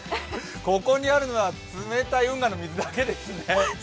ここにあるのは冷たい運河の水だけですね。